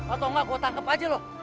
atau engga gua tangkep aja lu